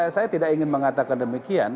saya tidak ingin mengatakan demikian